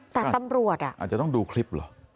แต่ตำรวจอ่ะอาจจะต้องดูคลิปเหรอ